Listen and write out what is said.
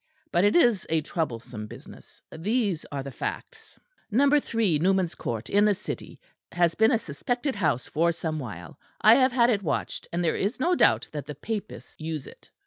But it is a troublesome business. These are the facts. "No. 3 Newman's Court, in the City, has been a suspected house for some while. I have had it watched, and there is no doubt that the papists use it.